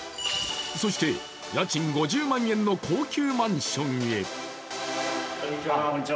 そして家賃５０万円の高級マンションへ。